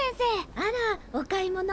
あらお買い物？